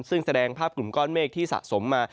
ซึ่งแสดงภาพกลุ่มก้อนเมฆที่สะสมมา